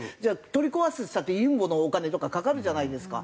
取り壊すっつったってユンボのお金とかかかるじゃないですか。